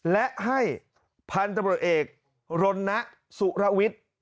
และให้พันธุ์ตำรวจเอกรณสุรวิทย์